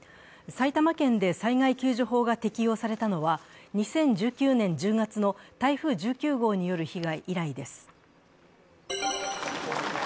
埼玉県で災害救助法が適用されたのは２０１９年１０月の台風１９号による被害以来です。